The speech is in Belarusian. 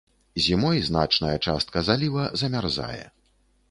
Зімой значная частка заліва замярзае.